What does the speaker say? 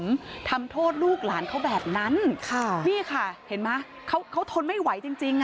ทำโทษลูกหลานเขาแบบนั้นค่ะนี่ค่ะเห็นไหมเขาเขาทนไม่ไหวจริงจริงอ่ะ